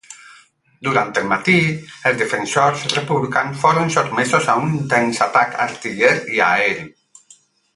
Durant el matí, els defensors republicans foren sotmesos a un intens atac artiller i aeri.